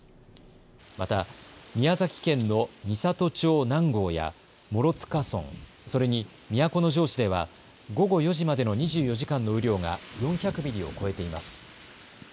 また宮崎県の美郷町南郷や諸塚村、それに都城市では午後４時までの２４時間の雨量が４００ミリを超えています。